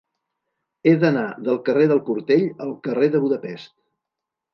He d'anar del carrer del Portell al carrer de Budapest.